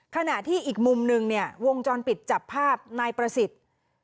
ขณะที่อีกมุมนึงเนี่ยวงจรปิดจับภาพนายประสิทธิ์